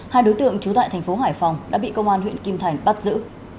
hai đối tượng trú tại thành phố hải phòng đã bị công an huyện kim thành bắt giữ